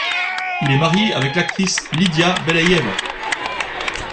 Il est marié avec l'actrice Lidia Belejeva.